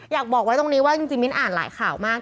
อยากบอกไว้ตรงนี้ว่าจริงมิ้นอ่านหลายข่าวมาก